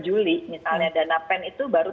juli misalnya dana pen itu baru